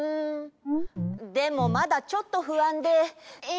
でもまだちょっとふあんで。え！